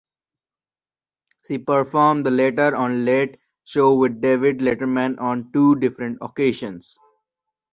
She performed the latter on Late Show with David Letterman on two different occasions.